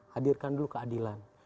hadirkan dulu keadilan